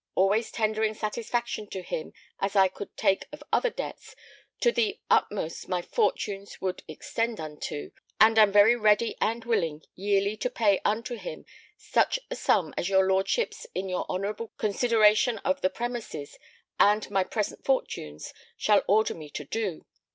Always tendering satisfaction to him as I could take of other debts, to the utmost my fortunes would extend unto, and am very ready and willing yearly to pay unto him such a sum as your lordships in your honourable considerations of the premises, and my present fortunes, shall order me to do.